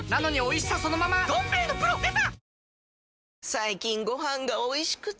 最近ご飯がおいしくて！